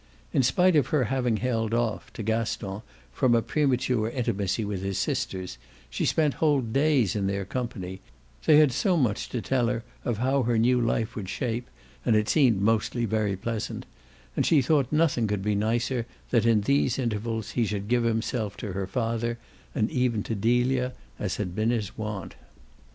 In spite of her having held off, to Gaston, from a premature intimacy with his sisters, she spent whole days in their company they had so much to tell her of how her new life would shape, and it seemed mostly very pleasant and she thought nothing could be nicer than that in these intervals he should give himself to her father, and even to Delia, as had been his wont.